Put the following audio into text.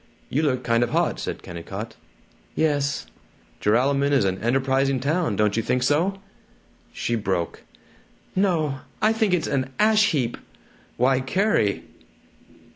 "You look kind of hot," said Kennicott. "Yes." "Joralemon is an enterprising town, don't you think so?" She broke. "No! I think it's an ash heap." "Why, Carrie!"